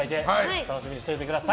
楽しみにしていてください。